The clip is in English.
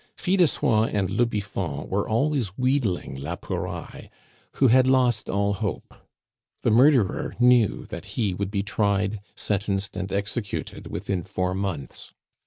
Fil de Soie and le Biffon were always wheedling la Pouraille, who had lost all hope. The murderer knew that he would be tried, sentenced, and executed within four months.